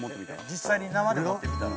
実際に生で持ってみたら？